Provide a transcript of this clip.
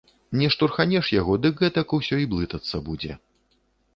Не штурханеш яго, дык гэтак усё і блытацца будзе.